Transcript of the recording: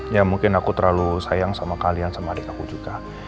ya mungkin aku terlalu sayang sama kalian sama adik aku juga